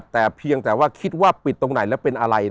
แต่เพียงแต่ว่าคิดว่าปิดตรงไหนแล้วเป็นอะไร